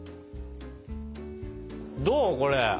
どうこれ？